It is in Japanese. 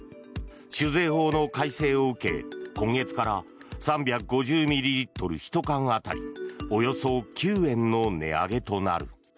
酒税法の改正を受け、今月から３５０ミリリットル１缶当たりおよそ９円の値上げとなる。